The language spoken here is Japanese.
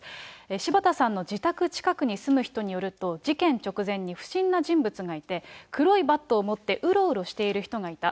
柴田さんの自宅近くに住む人によると、事件直前に不審な人物がいて、黒いバットを持って、うろうろしている人がいた。